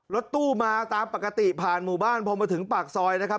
รถตู้มาตามปกติผ่านหมู่บ้านพอมาถึงปากซอยนะครับ